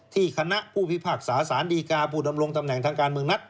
คณะผู้พิพากษาสารดีกาผู้ดำรงตำแหน่งทางการเมืองนัด